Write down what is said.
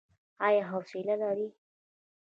ایا حوصله لرئ؟